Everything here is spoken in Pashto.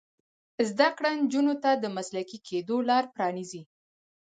زده کړه نجونو ته د مسلکي کیدو لار پرانیزي.